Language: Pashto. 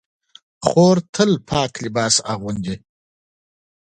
خور تل پاک لباس اغوندي.